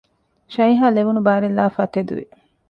ޝައިހާ ލެވުނު ބާރެއްލައިފައި ތެދުވި